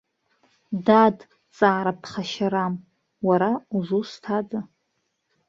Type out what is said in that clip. Дад, ҵаара ԥхашьарам, уара узусҭада?